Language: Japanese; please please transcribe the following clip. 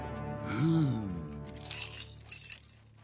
うん。